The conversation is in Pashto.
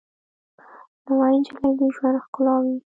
نوې نجلۍ د ژوند ښکلا وي